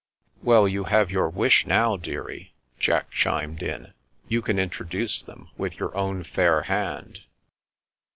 " Well, you have your wish now, dearie," Jack chimed in. " You can introduce them with your own fair hand."